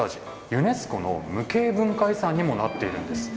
ユネスコの無形文化遺産にもなっているんです。